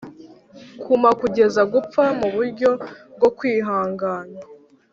kuma kugeza gupfa muburyo bwo kwihangana